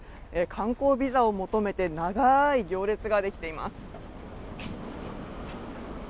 観光ビザを求めて長い行列ができています。